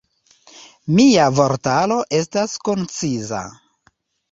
Mia vortaro estas konciza.